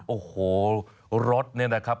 โอ้โหรถเนี่ยนะครับ